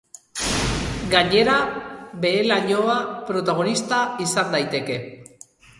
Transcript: Gainera, behe-lainoa protagonista izan daiteke.